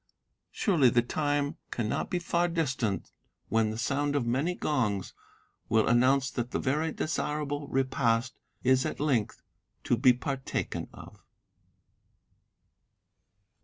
Surely the time cannot be far distant when the sound of many gongs will announce that the very desirable repast is at length to be partaken of."